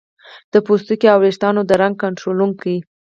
د پوستکي او ویښتانو د رنګ کنټرولونکو